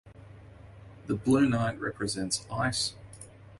The Blue Knight represents Ice.